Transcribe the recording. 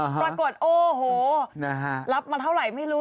ปรากฏโอ้โหรับมาเท่าไหร่ไม่รู้